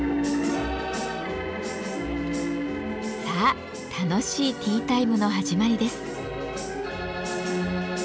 さあ楽しいティータイムの始まりです。